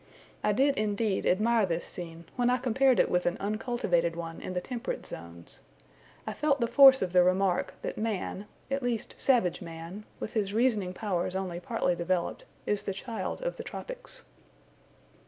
I did indeed admire this scene, when I compared it with an uncultivated one in the temperate zones. I felt the force of the remark, that man, at least savage man, with his reasoning powers only partly developed, is the child of the tropics.